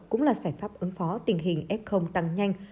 cũng là giải pháp ứng phó tình hình f tăng nhanh